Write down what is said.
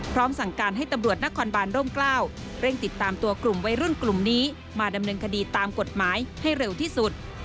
สั่งการให้ตำรวจนครบานร่มกล้าวเร่งติดตามตัวกลุ่มวัยรุ่นกลุ่มนี้มาดำเนินคดีตามกฎหมายให้เร็วที่สุด